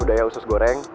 udah ya usus goreng